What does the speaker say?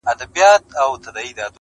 د وطن را باندي پروت یو لوی احسان دی,